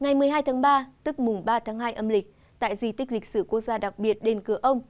ngày một mươi hai tháng ba tức mùng ba tháng hai âm lịch tại di tích lịch sử quốc gia đặc biệt đền cửa ông